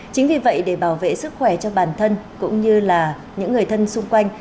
chính vì vậy để bảo vệ sức khỏe cho bản thân cũng như là những người thân xung quanh